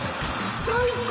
最高！